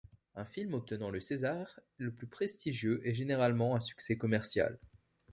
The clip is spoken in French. Un film obtenant le César le plus prestigieux est généralement un succès commercial.